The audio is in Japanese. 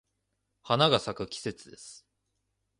花が咲く季節です。